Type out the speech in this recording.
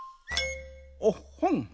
おっほん！